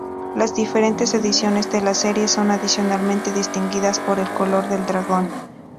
Las diferentes ediciones de la serie son adicionalmente distinguidas por el color del dragón.